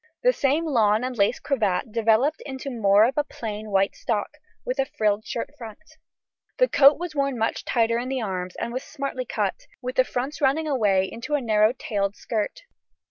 The same lawn and lace cravat developed into more of a plain white stock, with a frilled shirt front. The coat was worn much tighter in the arms and was smartly cut, with the fronts running away into a narrow tailed skirt.